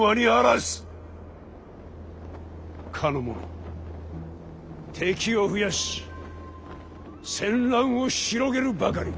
かの者敵を増やし戦乱を広げるばかり。